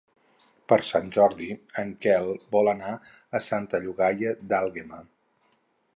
Per Sant Jordi en Quel vol anar a Santa Llogaia d'Àlguema.